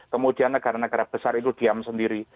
kemudian negara negara besar itu diam sendiri